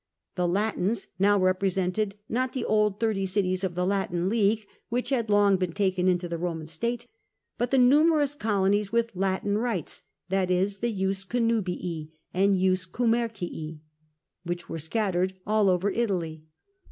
The " Latins " now represented not the old thirty cities of the Latin League, which had long been taken into the Roman state, but the numerous colonies with " Latin rights," i.e. the Jus connuhii and jus commerciiy which were scattered all over Italy.